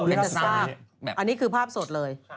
อันนี้คือภาพสดเลย